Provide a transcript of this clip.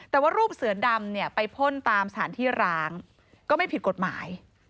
แต่ว่ารูปเสือดำเนี่ยไปพ่นตามสถานที่ร้างก็ไม่ผิดกฎหมาย